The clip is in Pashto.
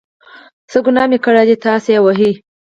څه ګناه مې کړې ده چې تاسې یې وهئ.